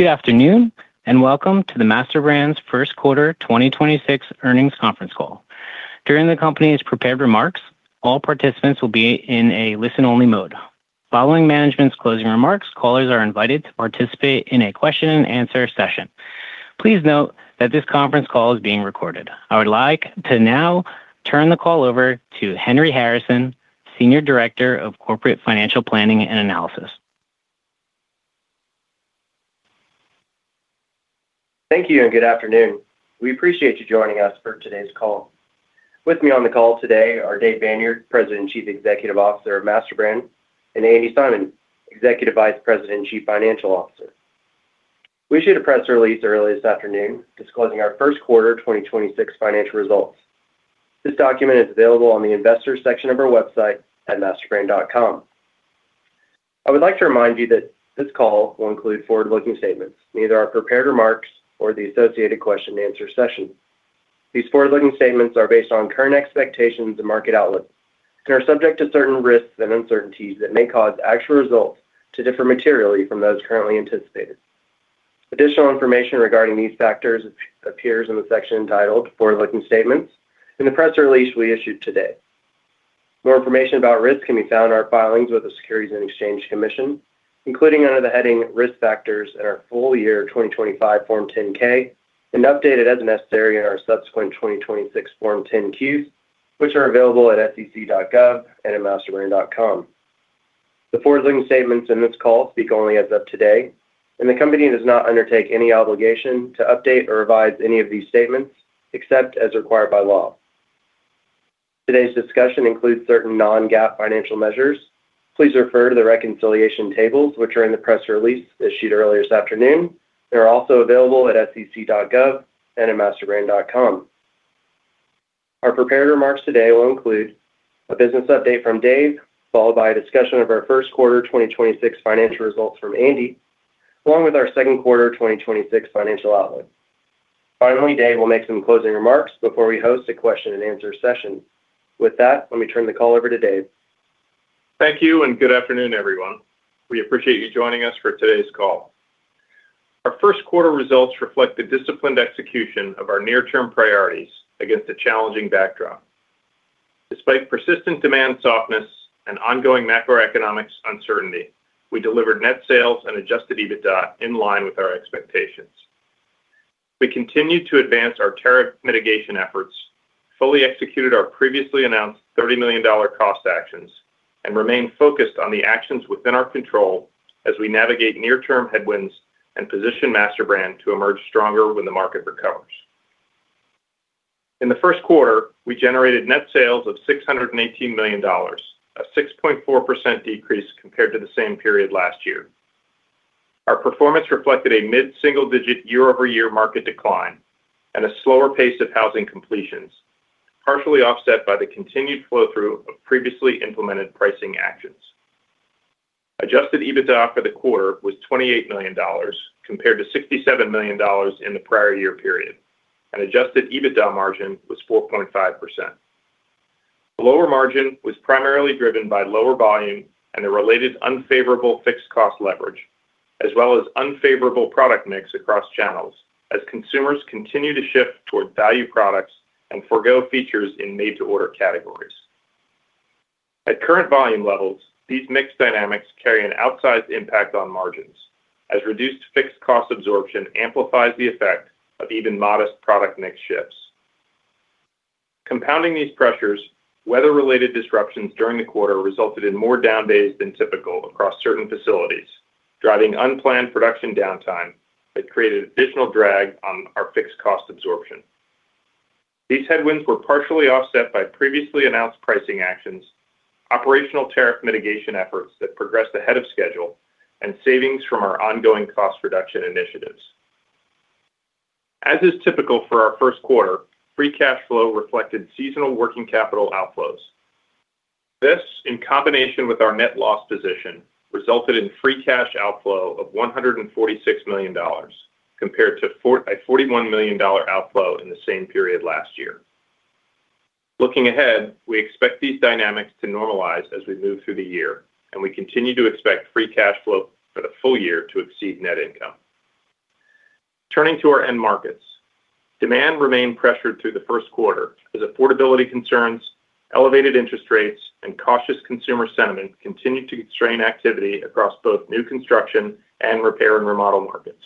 Good afternoon. Welcome to the MasterBrand First Quarter 2026 earnings conference call. During the company's prepared remarks, all participants will be in a listen-only mode. Following management's closing remarks, callers are invited to participate in a question-and-answer session. Please note that this conference call is being recorded. I would like to now turn the call over to Henry Harrison, Senior Director of Corporate Financial Planning and Analysis. Thank you and good afternoon. We appreciate you joining us for today's call. With me on the call today are Dave Banyard, President and Chief Executive Officer of MasterBrand, and Andi Simon, Executive Vice President and Chief Financial Officer. We issued a press release early this afternoon disclosing our first quarter 2026 financial results. This document is available on the investors section of our website at masterbrand.com. I would like to remind you that this call will include forward-looking statements, neither our prepared remarks or the associated question-and-answer session. These forward-looking statements are based on current expectations and market outlook and are subject to certain risks and uncertainties that may cause actual results to differ materially from those currently anticipated. Additional information regarding these factors appears in the section titled Forward-Looking Statements in the press release we issued today. More information about risks can be found in our filings with the Securities and Exchange Commission, including under the heading Risk Factors in our full year 2025 Form 10-K and updated as necessary in our subsequent 2026 Form 10-Q's, which are available at sec.gov and at masterbrand.com. The forward-looking statements in this call speak only as of today, and the company does not undertake any obligation to update or revise any of these statements except as required by law. Today's discussion includes certain non-GAAP financial measures. Please refer to the reconciliation tables, which are in the press release issued early this afternoon. They are also available at sec.gov and at masterbrand.com. Our prepared remarks today will include a business update from Dave, followed by a discussion of our first quarter 2026 financial results from Andi, along with our second quarter 2026 financial outlook. Finally, Dave will make some closing remarks before we host a question-and-answer session. With that, let me turn the call over to Dave. Thank you and good afternoon, everyone. We appreciate you joining us for today's call. Our first quarter results reflect the disciplined execution of our near-term priorities against a challenging backdrop. Despite persistent demand softness and ongoing macroeconomic uncertainty, we delivered net sales and adjusted EBITDA in line with our expectations. We continued to advance our tariff mitigation efforts, fully executed our previously announced $30 million cost actions, and remain focused on the actions within our control as we navigate near-term headwinds and position MasterBrand to emerge stronger when the market recovers. In the first quarter, we generated net sales of $618 million, a 6.4% decrease compared to the same period last year. Our performance reflected a mid-single digit year-over-year market decline and a slower pace of housing completions, partially offset by the continued flow-through of previously implemented pricing actions. Adjusted EBITDA for the quarter was $28 million compared to $67 million in the prior year period, and adjusted EBITDA margin was 4.5%. The lower margin was primarily driven by lower volume and the related unfavorable fixed cost leverage, as well as unfavorable product mix across channels as consumers continue to shift toward value products and forgo features in made-to-order categories. At current volume levels, these mix dynamics carry an outsized impact on margins as reduced fixed cost absorption amplifies the effect of even modest product mix shifts. Compounding these pressures, weather-related disruptions during the quarter resulted in more down days than typical across certain facilities, driving unplanned production downtime that created additional drag on our fixed cost absorption. These headwinds were partially offset by previously announced pricing actions, operational tariff mitigation efforts that progressed ahead of schedule, and savings from our ongoing cost reduction initiatives. As is typical for our first quarter, free cash flow reflected seasonal working capital outflows. This, in combination with our net loss position, resulted in free cash outflow of $146 million compared to a $41 million outflow in the same period last year. Looking ahead, we expect these dynamics to normalize as we move through the year, and we continue to expect free cash flow for the full year to exceed net income. Turning to our end markets, demand remained pressured through the first quarter as affordability concerns, elevated interest rates, and cautious consumer sentiment continued to constrain activity across both new construction and repair and remodel markets.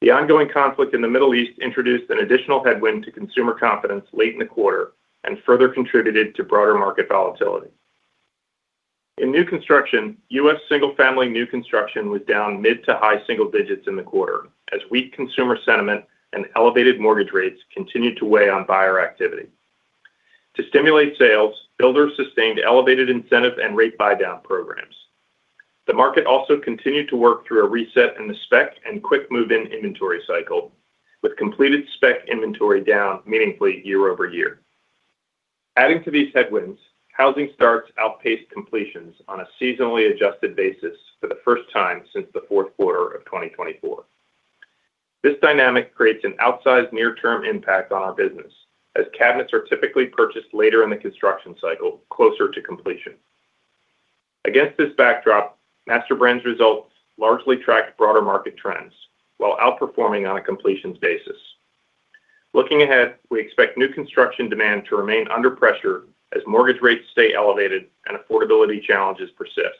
The ongoing conflict in the Middle East introduced an additional headwind to consumer confidence late in the quarter and further contributed to broader market volatility. In new construction, U.S. single-family new construction was down mid to high single digits in the quarter as weak consumer sentiment and elevated mortgage rates continued to weigh on buyer activity. To stimulate sales, builders sustained elevated incentive and rate buy-down programs. The market also continued to work through a reset in the spec and quick move-in inventory cycle, with completed spec inventory down meaningfully year-over-year. Adding to these headwinds, housing starts outpaced completions on a seasonally adjusted basis for the first time since the Q4 of 2024. This dynamic creates an outsized near-term impact on our business, as cabinets are typically purchased later in the construction cycle, closer to completion. Against this backdrop, MasterBrand's results largely tracked broader market trends while outperforming on a completions basis. Looking ahead, we expect new construction demand to remain under pressure as mortgage rates stay elevated and affordability challenges persist.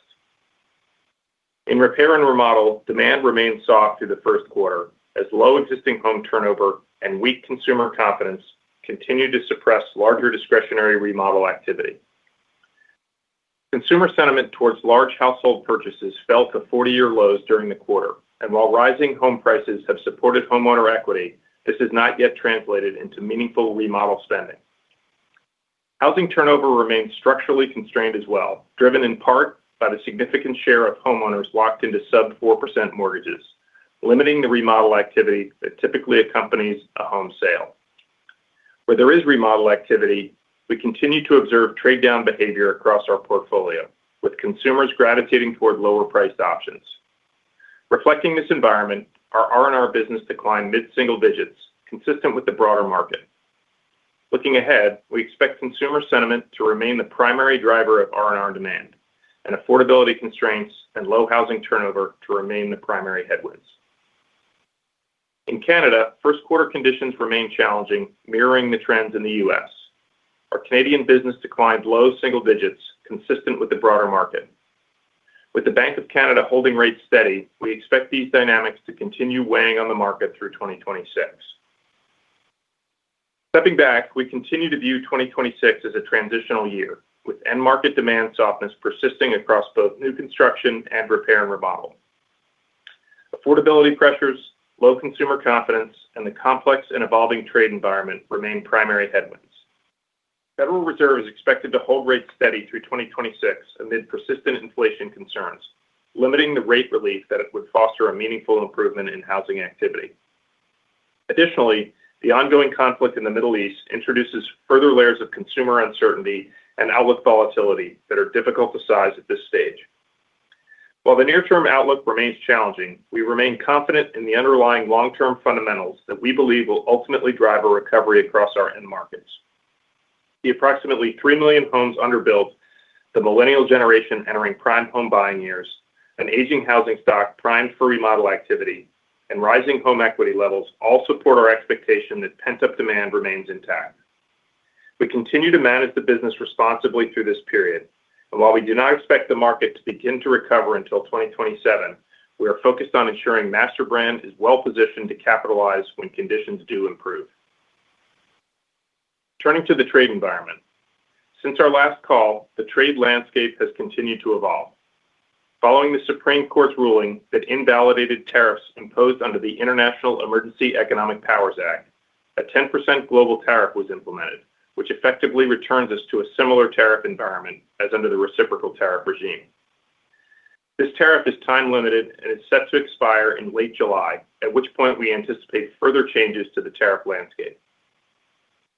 In repair and remodel, demand remained soft through the first quarter as low existing home turnover and weak consumer confidence continued to suppress larger discretionary remodel activity. Consumer sentiment towards large household purchases fell to 40-year lows during the quarter. While rising home prices have supported homeowner equity, this has not yet translated into meaningful remodel spending. Housing turnover remains structurally constrained as well, driven in part by the significant share of homeowners locked into sub 4% mortgages, limiting the remodel activity that typically accompanies a home sale. Where there is remodel activity, we continue to observe trade-down behavior across our portfolio, with consumers gravitating toward lower-priced options. Reflecting this environment, our R&R business declined mid-single digits, consistent with the broader market. Looking ahead, we expect consumer sentiment to remain the primary driver of R&R demand and affordability constraints and low housing turnover to remain the primary headwinds. In Canada, first quarter conditions remain challenging, mirroring the trends in the U.S. Our Canadian business declined low single digits, consistent with the broader market. With the Bank of Canada holding rates steady, we expect these dynamics to continue weighing on the market through 2026. Stepping back, we continue to view 2026 as a transitional year, with end market demand softness persisting across both new construction and repair and remodel. Affordability pressures, low consumer confidence, and the complex and evolving trade environment remain primary headwinds. Federal Reserve is expected to hold rates steady through 2026 amid persistent inflation concerns, limiting the rate relief that it would foster a meaningful improvement in housing activity. The ongoing conflict in the Middle East introduces further layers of consumer uncertainty and outlook volatility that are difficult to size at this stage. The near-term outlook remains challenging, we remain confident in the underlying long-term fundamentals that we believe will ultimately drive a recovery across our end markets. The approximately 3 million homes under built, the millennial generation entering prime home buying years, an aging housing stock primed for remodel activity, and rising home equity levels all support our expectation that pent-up demand remains intact. We continue to manage the business responsibly through this period, while we do not expect the market to begin to recover until 2027, we are focused on ensuring MasterBrand is well-positioned to capitalize when conditions do improve. Turning to the trade environment. Since our last call, the trade landscape has continued to evolve. Following the Supreme Court's ruling that invalidated tariffs imposed under the International Emergency Economic Powers Act, a 10% global tariff was implemented, which effectively returns us to a similar tariff environment as under the reciprocal tariff regime. This tariff is time-limited and is set to expire in late July, at which point we anticipate further changes to the tariff landscape.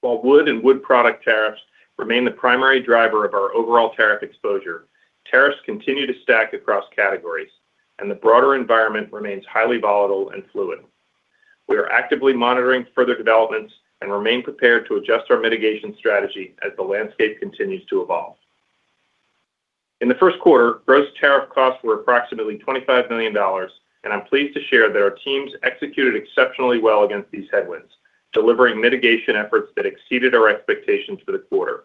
While wood and wood product tariffs remain the primary driver of our overall tariff exposure, tariffs continue to stack across categories, the broader environment remains highly volatile and fluid. We are actively monitoring further developments and remain prepared to adjust our mitigation strategy as the landscape continues to evolve. In the first quarter, gross tariff costs were approximately $25 million, and I'm pleased to share that our teams executed exceptionally well against these headwinds, delivering mitigation efforts that exceeded our expectations for the quarter.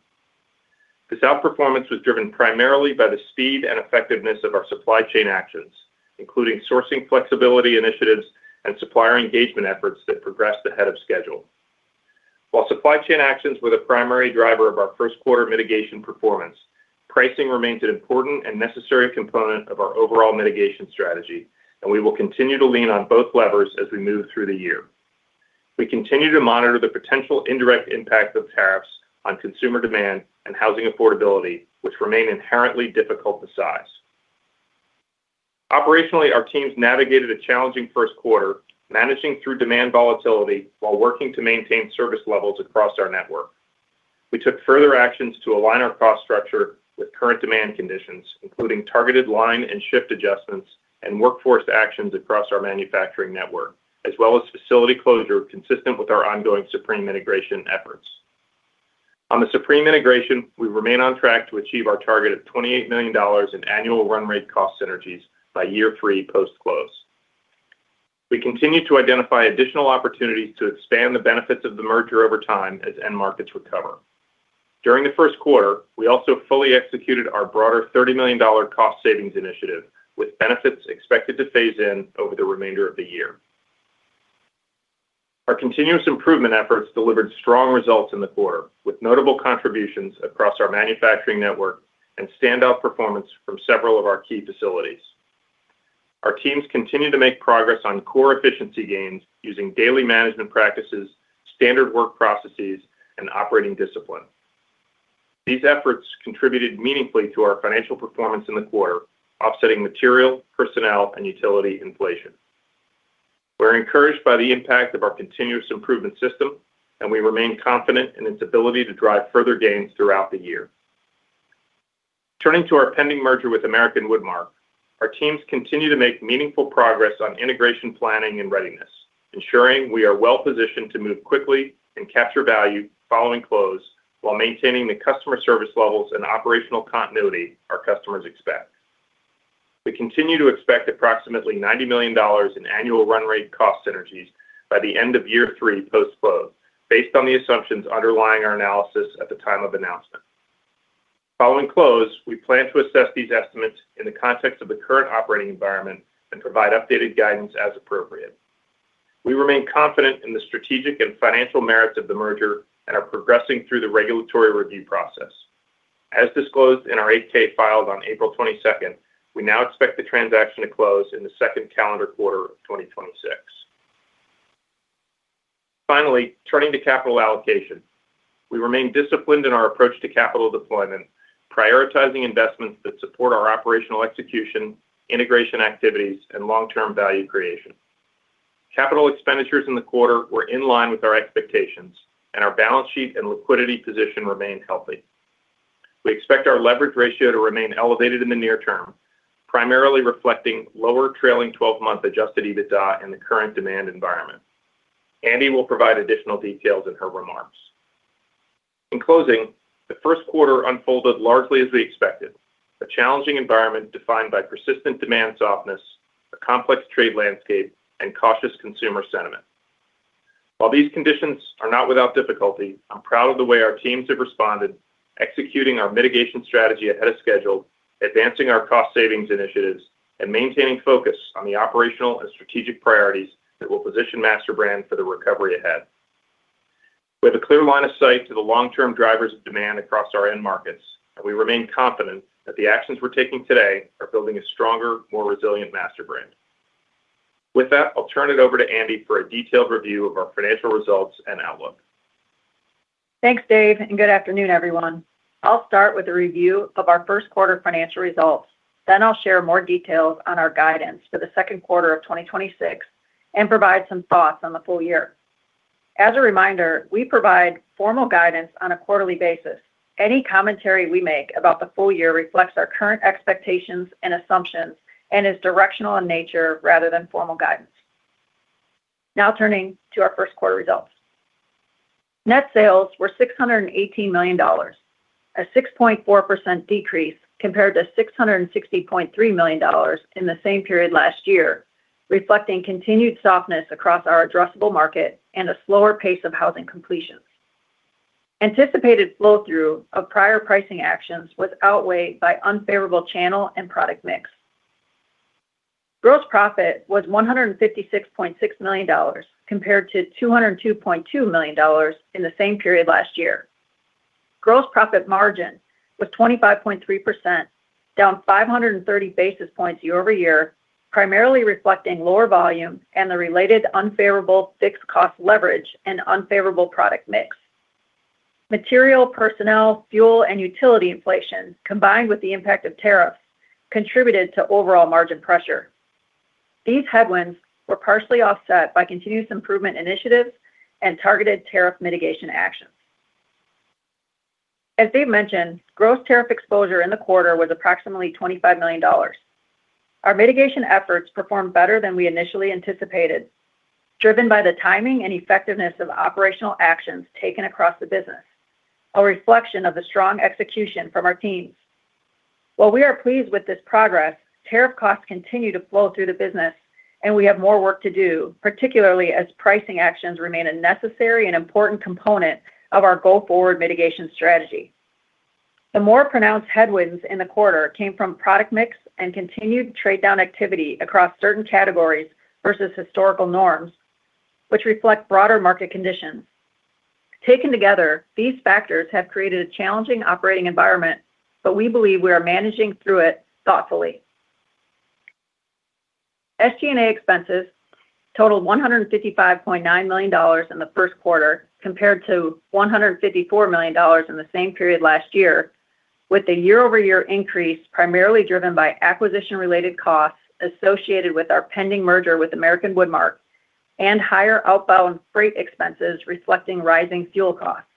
This outperformance was driven primarily by the speed and effectiveness of our supply chain actions, including sourcing flexibility initiatives and supplier engagement efforts that progressed ahead of schedule. While supply chain actions were the primary driver of our first quarter mitigation performance, pricing remains an important and necessary component of our overall mitigation strategy, and we will continue to lean on both levers as we move through the year. We continue to monitor the potential indirect impact of tariffs on consumer demand and housing affordability, which remain inherently difficult to size. Operationally, our teams navigated a challenging first quarter, managing through demand volatility while working to maintain service levels across our network. We took further actions to align our cost structure with current demand conditions, including targeted line and shift adjustments and workforce actions across our manufacturing network, as well as facility closure consistent with our ongoing Supreme integration efforts. On the Supreme integration, we remain on track to achieve our target of $28 million in annual run rate cost synergies by year three post-close. We continue to identify additional opportunities to expand the benefits of the merger over time as end markets recover. During the first quarter, we also fully executed our broader $30 million cost savings initiative, with benefits expected to phase in over the remainder of the year. Our continuous improvement efforts delivered strong results in the quarter, with notable contributions across our manufacturing network and standout performance from several of our key facilities. Our teams continue to make progress on core efficiency gains using daily management practices, standard work processes, and operating discipline. These efforts contributed meaningfully to our financial performance in the quarter, offsetting material, personnel, and utility inflation. We're encouraged by the impact of our continuous improvement system, and we remain confident in its ability to drive further gains throughout the year. Turning to our pending merger with American Woodmark, our teams continue to make meaningful progress on integration planning and readiness, ensuring we are well-positioned to move quickly and capture value following close while maintaining the customer service levels and operational continuity our customers expect. We continue to expect approximately $90 million in annual run rate cost synergies by the end of year three post-close based on the assumptions underlying our analysis at the time of announcement. Following close, we plan to assess these estimates in the context of the current operating environment and provide updated guidance as appropriate. We remain confident in the strategic and financial merits of the merger and are progressing through the regulatory review process. As disclosed in our Form 8-K filed on 22nd April, we now expect the transaction to close in the second calendar quarter of 2026. Finally, turning to capital allocation. We remain disciplined in our approach to capital deployment, prioritizing investments that support our operational execution, integration activities, and long-term value creation. Capital expenditures in the quarter were in line with our expectations, and our balance sheet and liquidity position remains healthy. We expect our leverage ratio to remain elevated in the near term, primarily reflecting lower trailing 12-month adjusted EBITDA in the current demand environment. Andi will provide additional details in her remarks. In closing, the first quarter unfolded largely as we expected, a challenging environment defined by persistent demand softness, a complex trade landscape, and cautious consumer sentiment. While these conditions are not without difficulty, I'm proud of the way our teams have responded, executing our mitigation strategy ahead of schedule, advancing our cost savings initiatives, and maintaining focus on the operational and strategic priorities that will position MasterBrand for the recovery ahead. We have a clear line of sight to the long-term drivers of demand across our end markets, and we remain confident that the actions we're taking today are building a stronger, more resilient MasterBrand. With that, I'll turn it over to Andi for a detailed review of our financial results and outlook. Thanks, Dave. Good afternoon, everyone. I'll start with a review of our first quarter financial results. I'll share more details on our guidance for the second quarter of 2026 and provide some thoughts on the full year. As a reminder, we provide formal guidance on a quarterly basis. Any commentary we make about the full year reflects our current expectations and assumptions and is directional in nature rather than formal guidance. Turning to our first quarter results. Net sales were $618 million, a 6.4% decrease compared to $660.3 million in the same period last year, reflecting continued softness across our addressable market and a slower pace of housing completions. Anticipated flow-through of prior pricing actions was outweighed by unfavorable channel and product mix. Gross profit was $156.6 million compared to $202.2 million in the same period last year. Gross profit margin was 25.3%, down 530 basis points year-over-year, primarily reflecting lower volume and the related unfavorable fixed cost leverage and unfavorable product mix. Material, personnel, fuel, and utility inflation, combined with the impact of tariffs, contributed to overall margin pressure. These headwinds were partially offset by continuous improvement initiatives and targeted tariff mitigation actions. As Dave mentioned, gross tariff exposure in the quarter was approximately $25 million. Our mitigation efforts performed better than we initially anticipated, driven by the timing and effectiveness of operational actions taken across the business, a reflection of the strong execution from our teams. While we are pleased with this progress, tariff costs continue to flow through the business, and we have more work to do, particularly as pricing actions remain a necessary and important component of our go-forward mitigation strategy. The more pronounced headwinds in the quarter came from product mix and continued trade down activity across certain categories versus historical norms, which reflect broader market conditions. Taken together, these factors have created a challenging operating environment, but we believe we are managing through it thoughtfully. SG&A expenses totaled $155.9 million in the first quarter compared to $154 million in the same period last year, with the year-over-year increase primarily driven by acquisition-related costs associated with our pending merger with American Woodmark and higher outbound freight expenses reflecting rising fuel costs.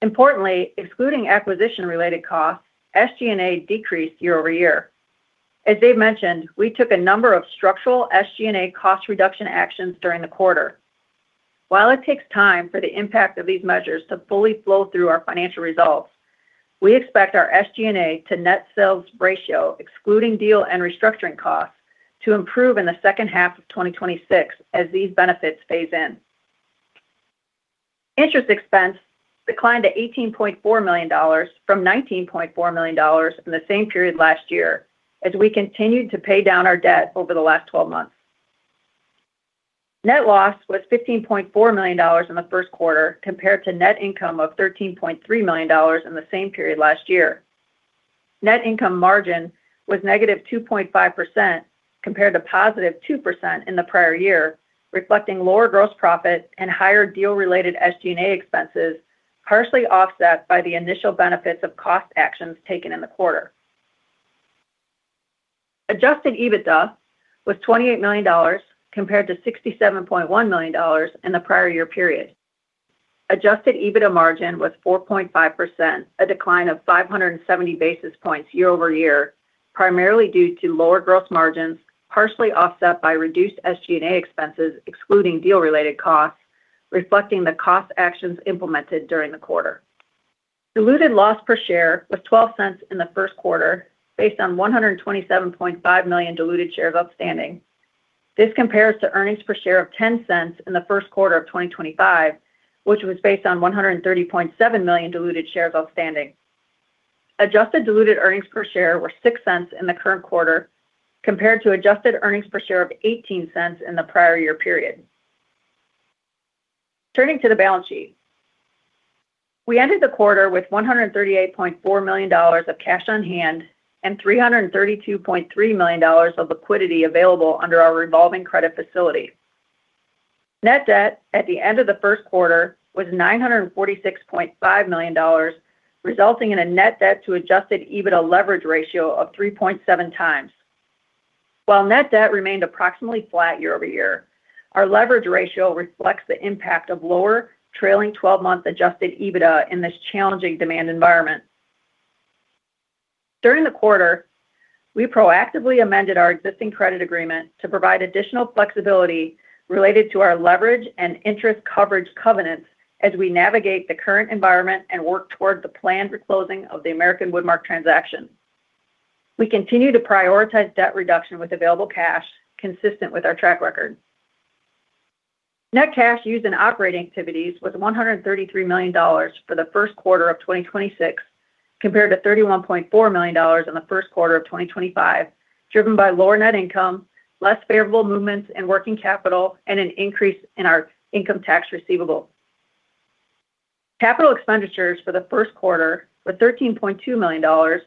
Importantly, excluding acquisition-related costs, SG&A decreased year-over-year. As Dave mentioned, we took a number of structural SG&A cost reduction actions during the quarter. While it takes time for the impact of these measures to fully flow through our financial results, we expect our SG&A to net sales ratio, excluding deal and restructuring costs, to improve in the second half of 2026 as these benefits phase in. Interest expense declined to $18.4 million from $19.4 million in the same period last year as we continued to pay down our debt over the last 12 months. Net loss was $15.4 million in the first quarter compared to net income of $13.3 million in the same period last year. Net income margin was negative 2.5% compared to positive 2% in the prior year, reflecting lower gross profit and higher deal-related SG&A expenses, partially offset by the initial benefits of cost actions taken in the quarter. Adjusted EBITDA was $28 million compared to $67.1 million in the prior year period. Adjusted EBITDA margin was 4.5%, a decline of 570 basis points year-over-year, primarily due to lower gross margins, partially offset by reduced SG&A expenses excluding deal related costs, reflecting the cost actions implemented during the quarter. Diluted loss per share was $0.12 in the first quarter based on 127.5 million diluted shares outstanding. This compares to earnings per share of $0.10 in the first quarter of 2025, which was based on 130.7 million diluted shares outstanding. Adjusted diluted earnings per share were $0.06 in the current quarter compared to adjusted earnings per share of $0.18 in the prior year period. Turning to the balance sheet. We ended the quarter with $138.4 million of cash on hand and $332.3 million of liquidity available under our revolving credit facility. Net debt at the end of the first quarter was $946.5 million, resulting in a net debt to adjusted EBITDA leverage ratio of 3.7x. While net debt remained approximately flat year-over-year, our leverage ratio reflects the impact of lower trailing twelve-month adjusted EBITDA in this challenging demand environment. During the quarter, we proactively amended our existing credit agreement to provide additional flexibility related to our leverage and interest coverage covenants as we navigate the current environment and work toward the planned reclosing of the American Woodmark transaction. We continue to prioritize debt reduction with available cash consistent with our track record. Net cash used in operating activities was $133 million for the first quarter of 2026, compared to $31.4 million in the first quarter of 2025, driven by lower net income, less favorable movements and working capital, and an increase in our income tax receivable. Capital expenditures for the first quarter were $13.2 million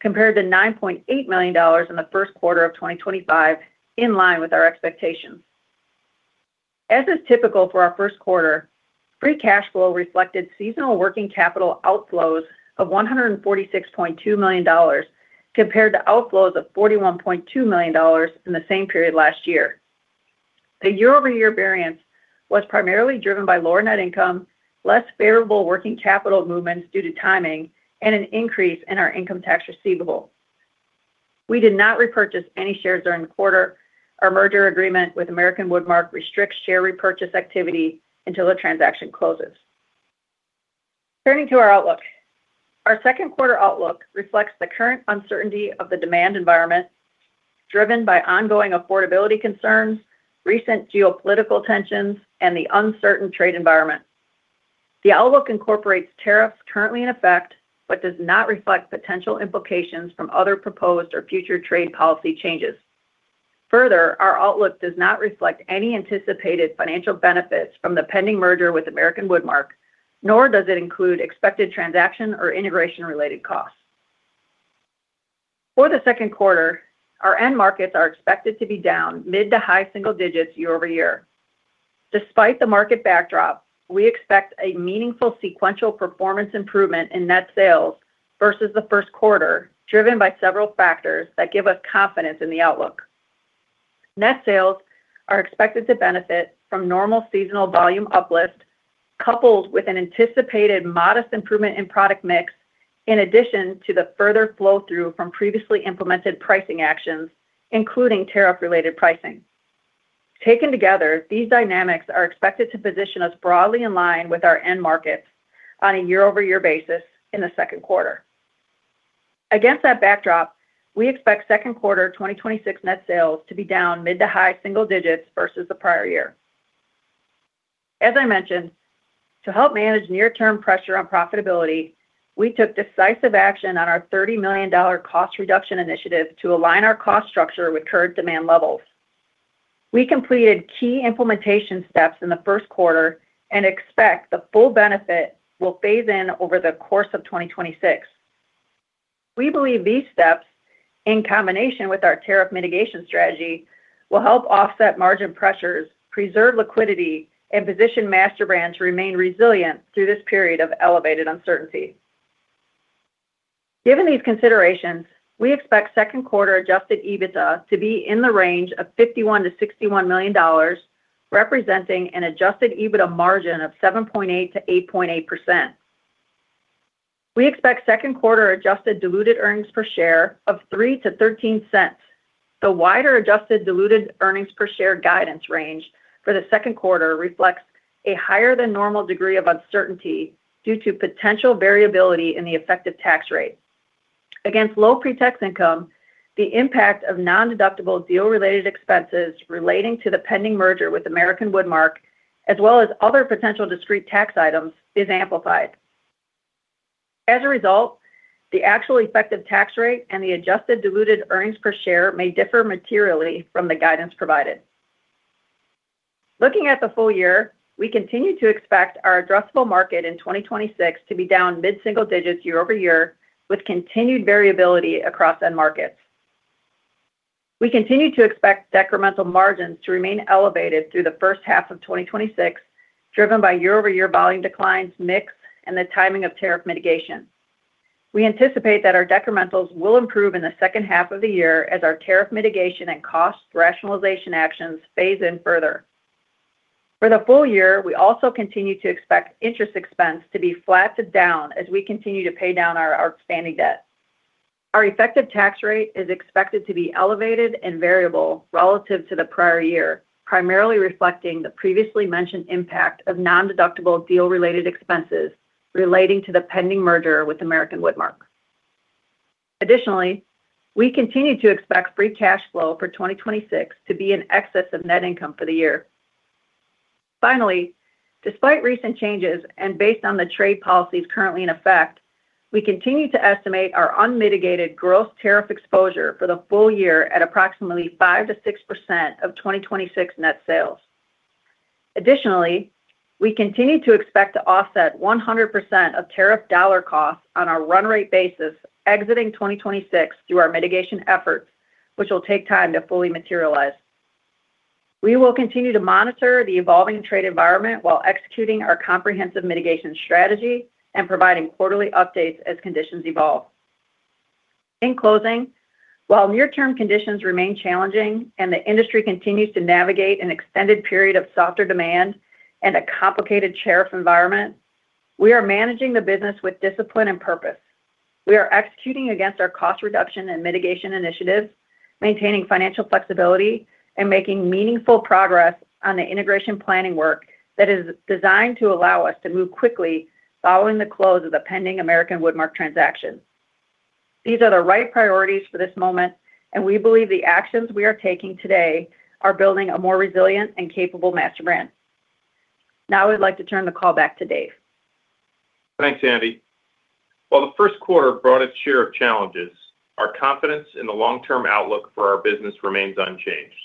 compared to $9.8 million in the first quarter of 2025, in line with our expectations. As is typical for our first quarter, free cash flow reflected seasonal working capital outflows of $146.2 million compared to outflows of $41.2 million in the same period last year. The year-over-year variance was primarily driven by lower net income, less favorable working capital movements due to timing, and an increase in our income tax receivable. We did not repurchase any shares during the quarter. Our merger agreement with American Woodmark restricts share repurchase activity until the transaction closes. Turning to our outlook. Our second quarter outlook reflects the current uncertainty of the demand environment driven by ongoing affordability concerns, recent geopolitical tensions, and the uncertain trade environment. The outlook incorporates tariffs currently in effect, but does not reflect potential implications from other proposed or future trade policy changes. Further, our outlook does not reflect any anticipated financial benefits from the pending merger with American Woodmark, nor does it include expected transaction or integration related costs. For the second quarter, our end markets are expected to be down mid to high single digits year-over-year. Despite the market backdrop, we expect a meaningful sequential performance improvement in net sales versus the first quarter, driven by several factors that give us confidence in the outlook. Net sales are expected to benefit from normal seasonal volume uplift, coupled with an anticipated modest improvement in product mix, in addition to the further flow-through from previously implemented pricing actions, including tariff related pricing. Taken together, these dynamics are expected to position us broadly in line with our end markets on a year-over-year basis in the second quarter. Against that backdrop, we expect second quarter 2026 net sales to be down mid to high single digits versus the prior year. As I mentioned, to help manage near term pressure on profitability, we took decisive action on our $30 million cost reduction initiative to align our cost structure with current demand levels. We completed key implementation steps in the first quarter and expect the full benefit will phase in over the course of 2026. We believe these steps, in combination with our tariff mitigation strategy, will help offset margin pressures, preserve liquidity, and position MasterBrand to remain resilient through this period of elevated uncertainty. Given these considerations, we expect second quarter adjusted EBITDA to be in the range of $51 million-$61 million, representing an adjusted EBITDA margin of 7.8%-8.8%. We expect second quarter adjusted diluted earnings per share of $0.03-$0.13. The wider adjusted diluted earnings per share guidance range for the second quarter reflects a higher than normal degree of uncertainty due to potential variability in the effective tax rate. Against low pre-tax income, the impact of non-deductible deal related expenses relating to the pending merger with American Woodmark, as well as other potential discrete tax items, is amplified. As a result, the actual effective tax rate and the adjusted diluted earnings per share may differ materially from the guidance provided. Looking at the full year, we continue to expect our addressable market in 2026 to be down mid-single digits year-over-year, with continued variability across end markets. We continue to expect decremental margins to remain elevated through the first half of 2026. Driven by year-over-year volume declines, mix, and the timing of tariff mitigation. We anticipate that our decrementals will improve in the second half of the year as our tariff mitigation and cost rationalization actions phase in further. For the full year, we also continue to expect interest expense to be flat to down as we continue to pay down our expanding debt. Our effective tax rate is expected to be elevated and variable relative to the prior year, primarily reflecting the previously mentioned impact of non-deductible deal related expenses relating to the pending merger with American Woodmark. Additionally, we continue to expect free cash flow for 2026 to be in excess of net income for the year. Finally, despite recent changes and based on the trade policies currently in effect, we continue to estimate our unmitigated gross tariff exposure for the full year at approximately 5%-6% of 2026 net sales. Additionally, we continue to expect to offset 100% of tariff dollar costs on a run rate basis exiting 2026 through our mitigation efforts, which will take time to fully materialize. We will continue to monitor the evolving trade environment while executing our comprehensive mitigation strategy and providing quarterly updates as conditions evolve. In closing, while near-term conditions remain challenging and the industry continues to navigate an extended period of softer demand and a complicated tariff environment, we are managing the business with discipline and purpose. We are executing against our cost reduction and mitigation initiatives, maintaining financial flexibility, and making meaningful progress on the integration planning work that is designed to allow us to move quickly following the close of the pending American Woodmark transaction. These are the right priorities for this moment, and we believe the actions we are taking today are building a more resilient and capable MasterBrand. I would like to turn the call back to Dave. Thanks, Andi. While the first quarter brought its share of challenges, our confidence in the long-term outlook for our business remains unchanged.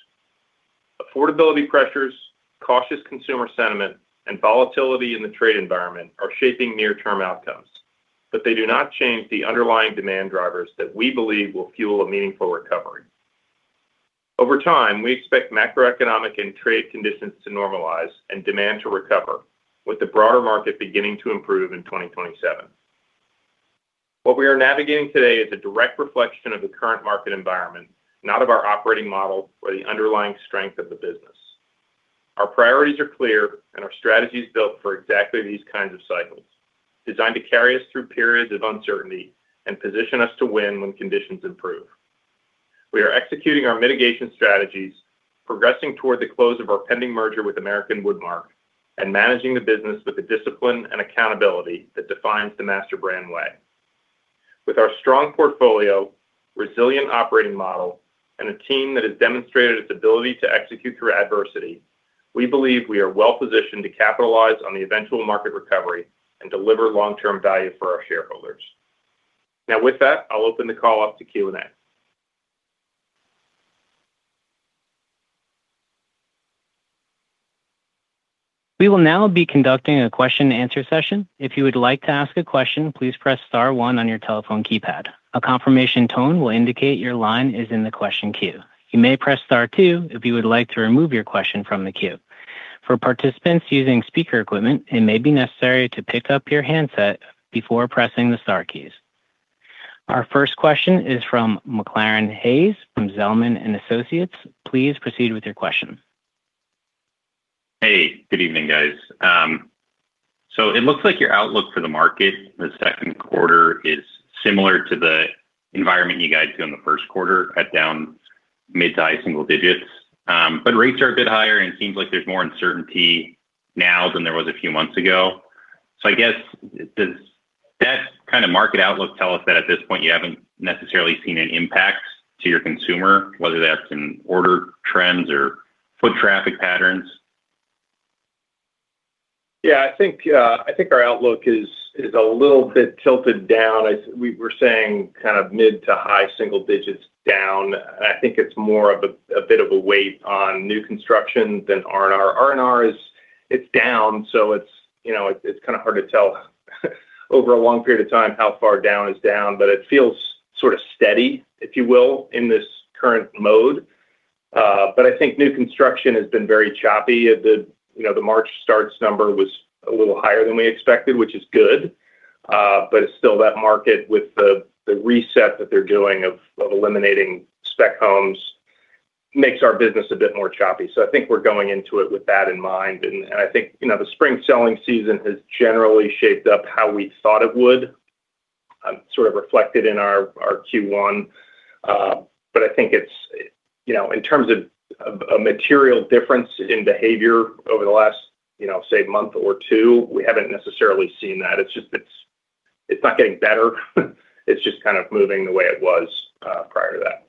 Affordability pressures, cautious consumer sentiment, and volatility in the trade environment are shaping near-term outcomes, but they do not change the underlying demand drivers that we believe will fuel a meaningful recovery. Over time, we expect macroeconomic and trade conditions to normalize and demand to recover, with the broader market beginning to improve in 2027. What we are navigating today is a direct reflection of the current market environment, not of our operating model or the underlying strength of the business. Our priorities are clear, and our strategy is built for exactly these kinds of cycles, designed to carry us through periods of uncertainty and position us to win when conditions improve. We are executing our mitigation strategies, progressing toward the close of our pending merger with American Woodmark, and managing the business with the discipline and accountability that defines the MasterBrand Way. With our strong portfolio, resilient operating model, and a team that has demonstrated its ability to execute through adversity, we believe we are well-positioned to capitalize on the eventual market recovery and deliver long-term value for our shareholders. Now, with that, I'll open the call up to Q&A. Our first question is from McClaran Hayes from Zelman & Associates. Please proceed with your question. Hey, good evening guys. It looks like your outlook for the market this second quarter is similar to the environment you guys had in the first quarter at down mid- to high-single digits %. Rates are a bit higher, and it seems like there's more uncertainty now than there was a few months ago. I guess, does that kind of market outlook tell us that at this point you haven't necessarily seen an impact to your consumer, whether that's in order trends or foot traffic patterns? I think our outlook is a little bit tilted down. We were saying kind of mid to high single-digits down, and I think it's more of a bit of a weight on new construction than R&R. R&R is down, so it's, you know, kind of hard to tell over a long period of time how far down is down. It feels sort of steady, if you will, in this current mode. I think new construction has been very choppy. You know, the March starts number was a little higher than we expected, which is good. It's still that market with the reset that they're doing of eliminating spec homes makes our business a bit more choppy. I think we're going into it with that in mind. I think, you know, the spring selling season has generally shaped up how we thought it would, sort of reflected in our Q1. I think it's, you know, in terms of a material difference in behavior over the last, you know, say month or two, we haven't necessarily seen that. It's just, it's not getting better, it's just kind of moving the way it was prior to that.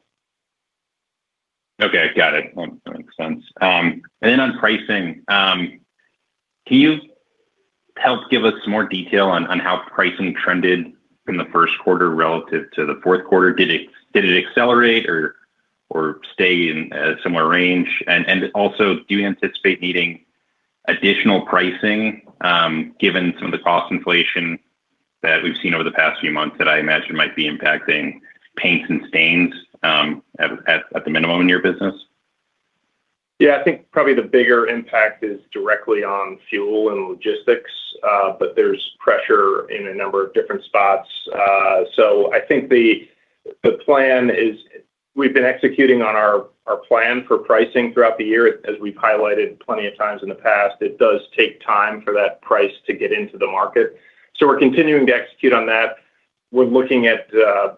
Okay. Got it. Well, that makes sense. On pricing, can you help give us more detail on how pricing trended from the first quarter relative to the Q4? Did it accelerate or stay in a similar range? Also, do you anticipate needing additional pricing given some of the cost inflation that we've seen over the past few months that I imagine might be impacting paints and stains at the minimum in your business? Yeah. I think probably the bigger impact is directly on fuel and logistics, but there's pressure in a number of different spots. I think the plan is we've been executing on our plan for pricing throughout the year as we've highlighted plenty of times in the past. It does take time for that price to get into the market, we're continuing to execute on that. We're looking at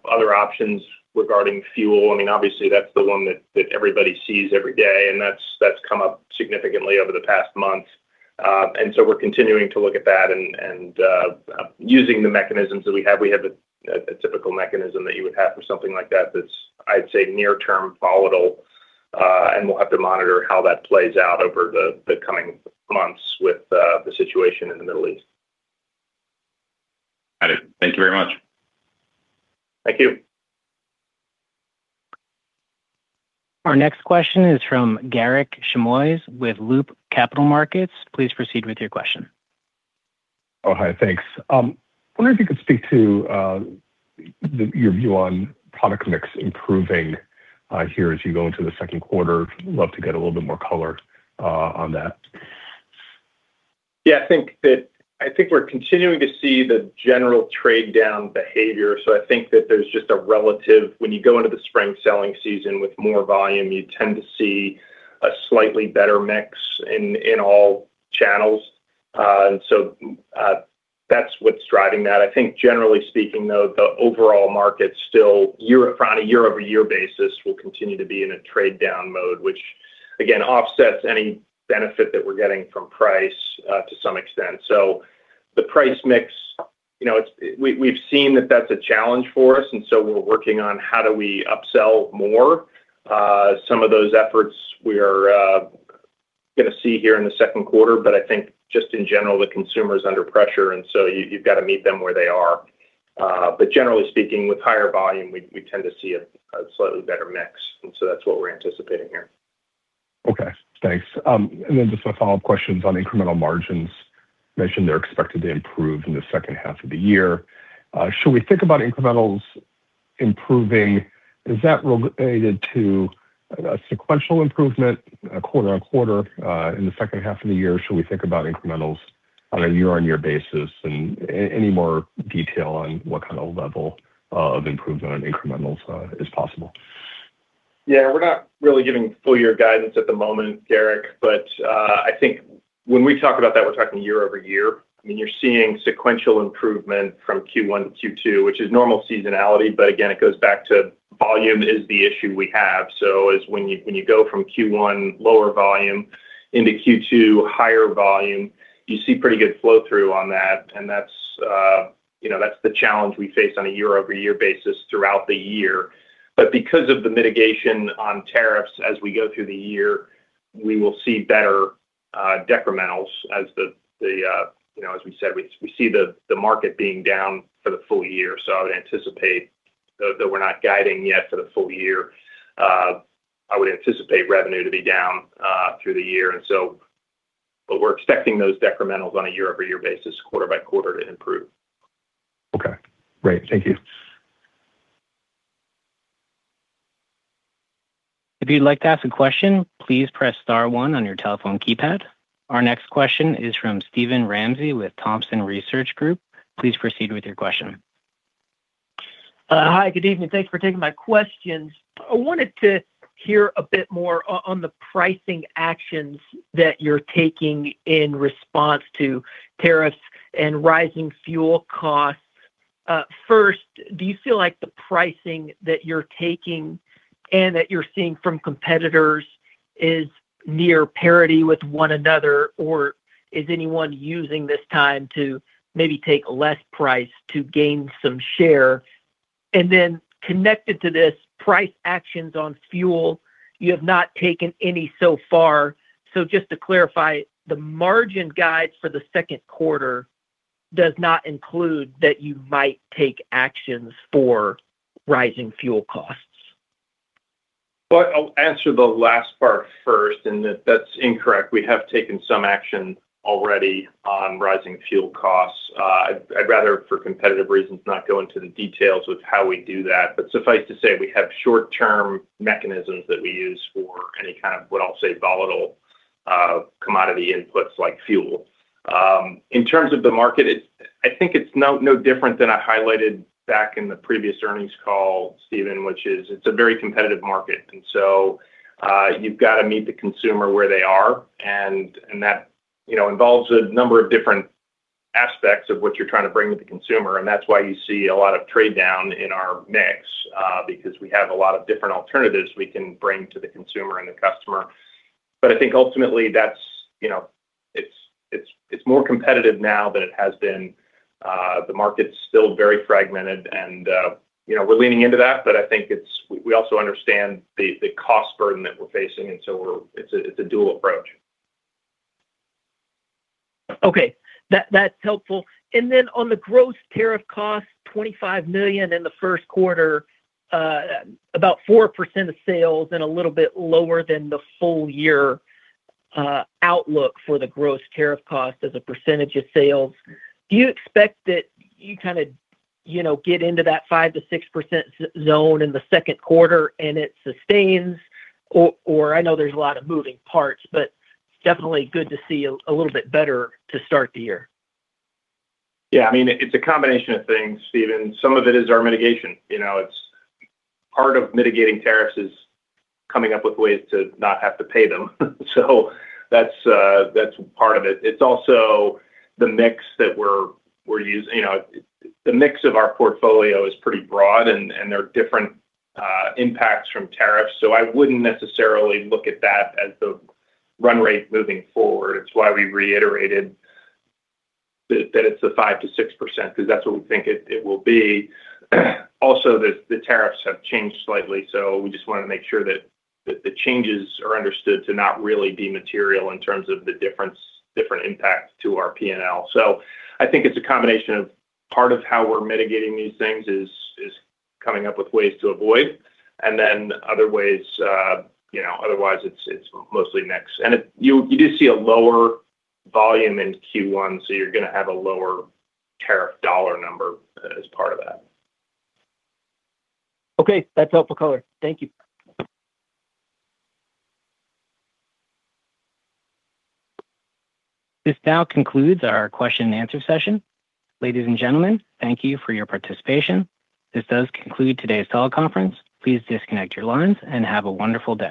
other options regarding fuel. I mean, obviously, that's the one that everybody sees every day, and that's come up significantly over the past one month. We're continuing to look at that and using the mechanisms that we have. We have a typical mechanism that you would have for something like that that's, I'd say, near term volatile, and we'll have to monitor how that plays out over the coming months with the situation in the Middle East. Got it. Thank you very much. Thank you. Our next question is from Garik Shmois with Loop Capital Markets. Please proceed with your question. Oh, hi. Thanks. Wondering if you could speak to the, your view on product mix improving here as you go into the second quarter? Love to get a little bit more color on that. I think we're continuing to see the general trade down behavior. When you go into the spring selling season with more volume, you tend to see a slightly better mix in all channels. That's what's driving that. I think generally speaking though, the overall market still year, on a year-over-year basis will continue to be in a trade down mode, which again offsets any benefit that we're getting from price to some extent. The price mix, you know, we've seen that that's a challenge for us, we're working on how do we upsell more. Some of those efforts we are gonna see here in the second quarter, but I think just in general, the consumer's under pressure, and so you've gotta meet them where they are. Generally speaking, with higher volume, we tend to see a slightly better mix, and so that's what we're anticipating here. Okay. Thanks. Then just some follow-up questions on incremental margins. You mentioned they're expected to improve in the second half of the year. Should we think about incrementals improving? Is that related to sequential improvement, quarter-on-quarter, in the second half of the year? Should we think about incrementals on a year-on-year basis? Any more detail on what kind of level of improvement on incrementals is possible? Yeah. We're not really giving full year guidance at the moment, Garik. I think when we talk about that, we're talking year-over-year. I mean, you're seeing sequential improvement from Q1 to Q2, which is normal seasonality. Again, it goes back to volume is the issue we have. When you go from Q1 lower volume into Q2 higher volume, you see pretty good flow-through on that, and that's, you know, that's the challenge we face on a year-over-year basis throughout the year. Because of the mitigation on tariffs as we go through the year, we will see better decrementals as the, you know, as we said, we see the market being down for the full year. I would anticipate, though we're not guiding yet for the full year, I would anticipate revenue to be down, through the year. We're expecting those decrementals on a year-over-year basis, quarter-by-quarter to improve. Okay. Great. Thank you. If you'd like to ask a question, please press star one on your telephone keypad. Our next question is from Steven Ramsey with Thompson Research Group. Please proceed with your question. Hi. Good evening. Thanks for taking my questions. I wanted to hear a bit more on the pricing actions that you're taking in response to tariffs and rising fuel costs. First, do you feel like the pricing that you're taking and that you're seeing from competitors is near parity with one another, or is anyone using this time to maybe take less price to gain some share? Connected to this, price actions on fuel, you have not taken any so far. Just to clarify, the margin guides for the second quarter does not include that you might take actions for rising fuel costs? I'll answer the last part first, and that's incorrect. We have taken some action already on rising fuel costs. I'd rather, for competitive reasons, not go into the details with how we do that. Suffice to say, we have short-term mechanisms that we use for any kind of, what I'll say, volatile commodity inputs like fuel. In terms of the market, I think it's no different than I highlighted back in the previous earnings call, Steven, which is it's a very competitive market. You've gotta meet the consumer where they are and that, you know, involves a number of different aspects of what you're trying to bring to the consumer, and the customer. I think ultimately that's, you know, it's more competitive now than it has been. The market's still very fragmented and, you know, we're leaning into that, but I think we also understand the cost burden that we're facing, and so it's a dual approach. Okay. That's helpful. On the gross tariff cost, $25 million in the first quarter, about 4% of sales and a little bit lower than the full year outlook for the gross tariff cost as a percentage of sales. Do you expect that you kinda, you know, get into that 5%-6% zone in the second quarter and it sustains or I know there's a lot of moving parts, definitely good to see a little bit better to start the year? I mean, it's a combination of things, Steven. Some of it is our mitigation. You know, part of mitigating tariffs is coming up with ways to not have to pay them. That's part of it. It's also the mix that we're You know, the mix of our portfolio is pretty broad and there are different impacts from tariffs. I wouldn't necessarily look at that as the run rate moving forward. It's why we reiterated that it's the 5%-6%, 'cause that's what we think it will be. Also, the tariffs have changed slightly, so we just wanna make sure that the changes are understood to not really be material in terms of the different impact to our P&L. I think it's a combination of part of how we're mitigating these things is coming up with ways to avoid and then other ways, you know, otherwise it's mostly mix. You do see a lower volume in Q1, so you're gonna have a lower tariff dollar number as part of that. Okay. That's helpful color. Thank you. This now concludes our question and answer session. Ladies and gentlemen, thank you for your participation. This does conclude today's teleconference. Please disconnect your lines and have a wonderful day.